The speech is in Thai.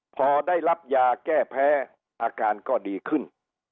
พอได้รับยาแก้แพ้อาการก็ดีขึ้น